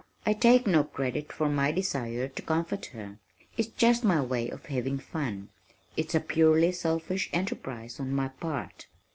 I take no credit for my desire to comfort her it's just my way of having fun. It's a purely selfish enterprise on my part."